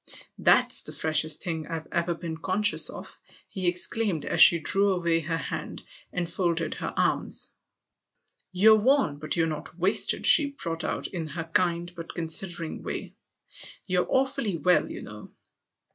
That's the freshest thing I've ever been conscious of !" he exclaimed as she drew away her hand and folded her arms. " You're worn, but you're not wasted," she brought out in her kind but considering way. " You're awfully well, you know."